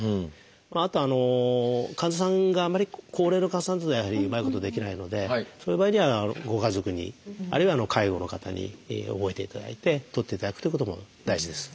あと患者さんがあんまり高齢の患者さんだとやはりうまいことできないのでそういう場合にはご家族にあるいは介護の方に覚えていただいてとっていただくということも大事です。